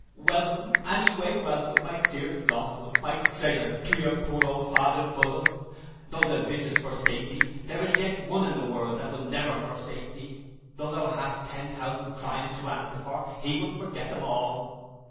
—'Welcome, any way welcome, my dearest lost one, my treasure, to your poor old father's bosom. Tho' the vicious forsake thee, there is yet one in the world that will never forsake thee; tho' thou hadst ten thousand crimes to answer for, he will forget them all.